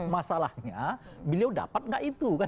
masalahnya beliau dapat nggak itu kan